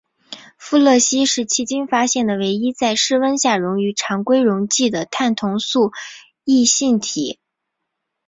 富勒烯是迄今发现的唯一在室温下溶于常规溶剂的碳同素异性体。